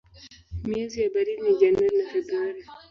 Miezi ya baridi ni Januari na Februari.